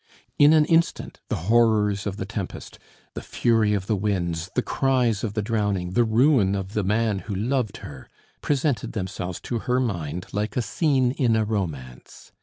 In an instant, the horrors of the tempest, the fury of the winds, the cries of the drowning, the ruin of the man who loved her, presented themselves to her mind like a scene in a romance.